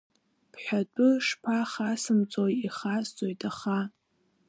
Бҳәатәы шԥахасымҵои, ихасҵоит, аха…